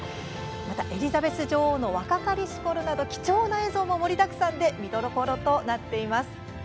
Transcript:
またエリザベス女王の若かりしころなど貴重な映像も盛りだくさんで見どころとなっています。